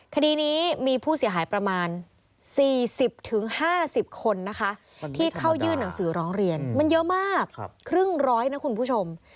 คดีนี้มีผู้เสียหายประมาณ๔๐๕๐คนนะคะที่เข้ายื่นหนังสือร้องเรียนมันเยอะมากครึ่งร้อยนะคุณผู้ชม